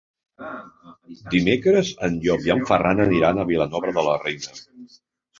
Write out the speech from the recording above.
Dimecres en Llop i en Ferran aniran a Vilanova de la Reina.